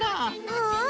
うん。